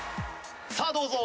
さあどうぞ。